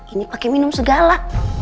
ini pakai minum segala